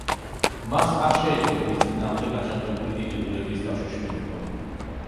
მას არ შეეძლო მის წინააღმდეგ აჯანყებული დიდებულების დაშოშმინება.